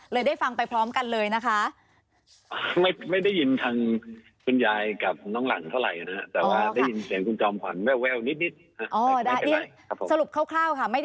ได้ฟังไปพร้อมกันเลยนะคะ